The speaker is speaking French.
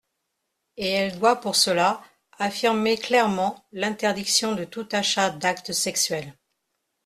Et elle doit pour cela affirmer clairement l’interdiction de tout achat d’acte sexuel.